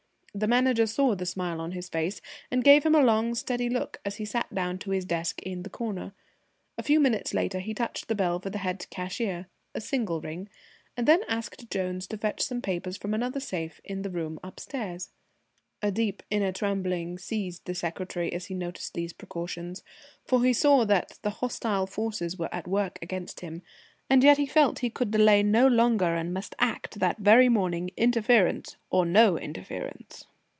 The Manager saw the smile on his face, and gave him a long steady look as he sat down to his desk in the corner. A few minutes later he touched the bell for the head cashier a single ring and then asked Jones to fetch some papers from another safe in the room upstairs. A deep inner trembling seized the secretary as he noticed these precautions, for he saw that the hostile forces were at work against him, and yet he felt he could delay no longer and must act that very morning, interference or no interference.